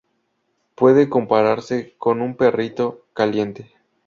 Puede compararse con un perrito caliente.